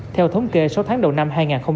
theo thống kê sáu tháng đầu năm hai nghìn hai mươi